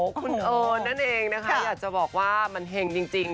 คุณเอิญนั่นเองนะคะอยากจะบอกว่ามันเห็งจริง